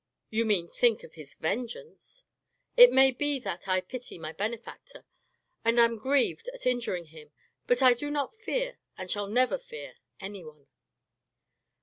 " You mean, think of his vengeance? "" It may be that I pity my benefactor, and am grieved at injuring him, but I do not fear, and shall never fear anyone."